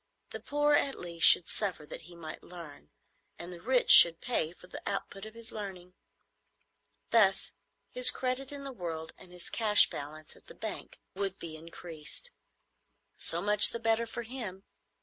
The poor at least should suffer that he might learn, and the rich should pay for the output of his learning. Thus his credit in the world and his cash balance at the bank would be increased. So much the better for him.